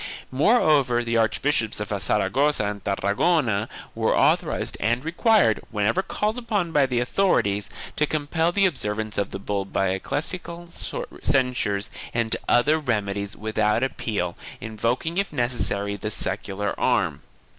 Moreover the Archbishops of Saragossa and Tarragona were authorized and required, when ever called upon by the authorities, to compel the observance of the bull by ecclesiastical censures and other remedies without appeal, invoking if necessary the secular arm.